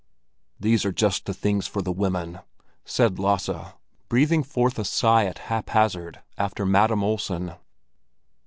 "These are just the things for the women," said Lasse, breathing forth a sigh at haphazard after Madam Olsen.